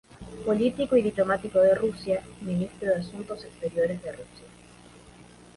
Político y diplomático de Rusia, Ministro de Asuntos Exteriores de Rusia.